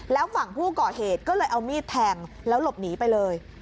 แล้วฝั่งผู้ก่อเหตุก็เลยเอามีดแทงแล้วหลบหนีไปเลย